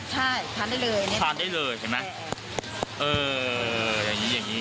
ใช่ทานได้เลยเนี่ยทานได้เลยเห็นไหมเอออย่างนี้อย่างนี้